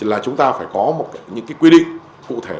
là chúng ta phải có những quy định cụ thể